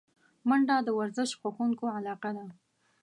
منډه د ورزش خوښونکو علاقه ده